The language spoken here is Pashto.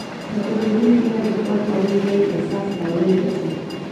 له پوهېدونکي نه د سوال کولو نه یې احساس را ونهګرځوي.